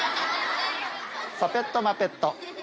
パペットマペット。